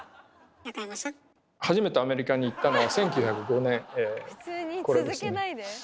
初めてアメリカに行ったのは１９０５年これですね。